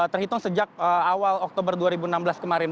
terhitung sejak awal oktober dua ribu enam belas kemarin